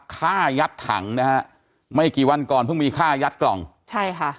ฆ่ายัดถังนะฮะไม่กี่วันก่อนเพิ่งมีค่ายัดกล่องใช่ค่ะ